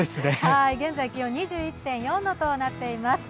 現在気温は２１．４度となっています。